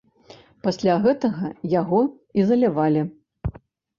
Пасля гэтага яго ізалявалі.